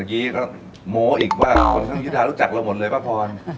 ก็โม้อีกว่าใครรู้จักดูเรามนตร์เลยป้ากฟ้อน